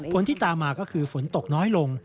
ที่ตามมาก็คือฝนตกน้อยลง